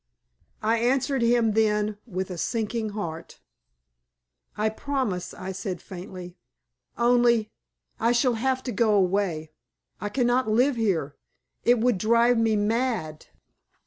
I answered him then with a sinking heart. "I promise," I said, faintly. "Only I shall have to go away. I cannot live here. It would drive me mad."